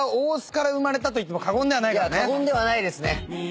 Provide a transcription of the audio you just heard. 過言ではないですね。